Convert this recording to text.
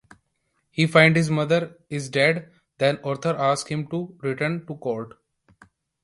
He finds his mother is dead, then Arthur asks him to return to court.